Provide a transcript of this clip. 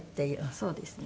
そうですね。